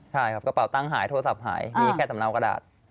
ใช่ครับกระเป๋าตั้งหายโทรศัพท์หายมีแค่สำเนากระดาษ